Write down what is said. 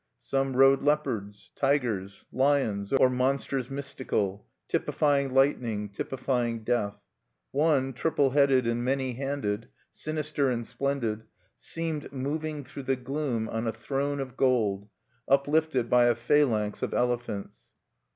Some rode leopards, tigers, lions, or monsters mystical, typifying lightning, typifying death. One, triple headed and many handed, sinister and splendid, seemed moving through the gloom on a throne of gold, uplifted by a phalanx of elephants.